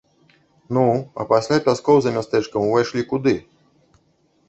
Ну, а пасля пяскоў за мястэчкам увайшлі куды?